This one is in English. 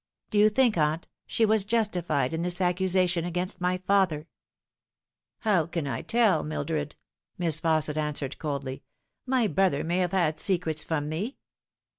Do you think, aunt, she was justified in this accusation against my father ?"" How can I tell, Mildred ?" Miss Fausset answered coldly. " My brother may have had secrets from me."